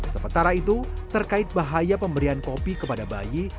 sementara itu terkait bahaya pemberian kopi kepada bayi